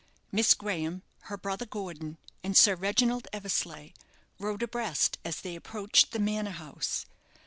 Miss Graham, her brother Gordon, and Sir Reginald Eversleigh rode abreast as they approached the manor house.